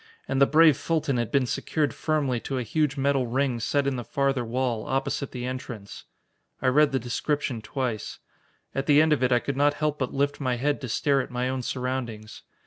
And the brave Fulton had been secured firmly to a huge metal ring set in the farther wall, opposite the entrance. I read the description twice. At the end of it I could not help but lift my head to stare at my own surroundings.